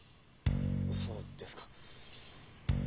そうですか。